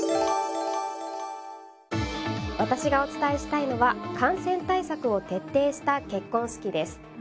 私がお伝えしたいのは感染対策を徹底した結婚式です。